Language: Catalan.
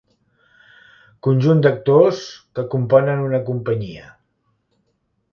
Conjunt d'actors que componen una companyia.